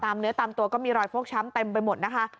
เนื้อตามตัวก็มีรอยฟกช้ำเต็มไปหมดนะคะ